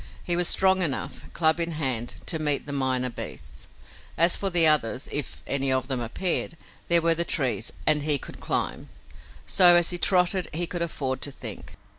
He was strong enough, club in hand, to meet the minor beasts. As for the others, if any of them appeared, there were the trees, and he could climb. So, as he trotted he could afford to think.